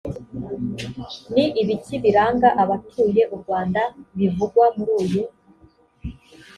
ni ibiki biranga abatuye u rwanda bivugwa muri uyu